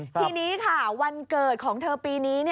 ทีนี้ค่ะวันเกิดของเธอปีนี้